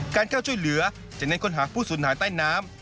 การเข้าช่วยเหลือจะเน้นค้นหาผู้สูญหายใต้น้ำ